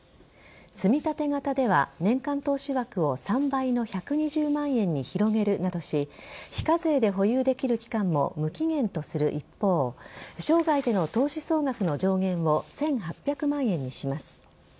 つみたて型では年間投資枠を３倍の１２０万円に広げるなどし非課税で保有できる期間も無期限とする一方生涯での投資総額の上限を１８００万円にします。